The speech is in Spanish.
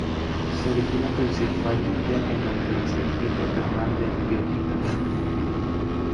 Se origina principalmente en la alteración hidrotermal de biotita.